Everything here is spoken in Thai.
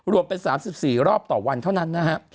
รวมเป็น๓๔รอบต่อวันเท่านั้นนะครับ